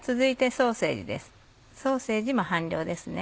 ソーセージも半量です。